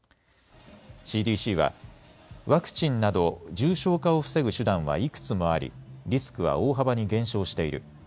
ＣＤＣはワクチンなど重症化を防ぐ手段はいくつもあり、リスクは大幅に減少している。